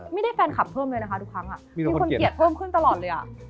มีคนเกลียดเพิ่มมากเลย